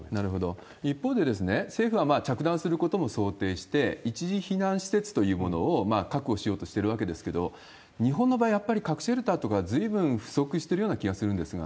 一方で、政府は着弾することも想定して、一時避難施設というものを確保しようとしてるわけですけど、日本の場合、やっぱり核シェルターとか、ずいぶん不足してるような気がするんですが。